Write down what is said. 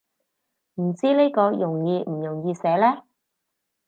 唔知呢個容易唔容易寫呢